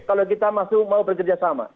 kalau kita masuk mau bekerja sama